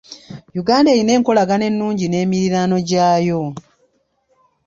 Uganda eyina enkolagana ennungi n'emiriraano gyayo.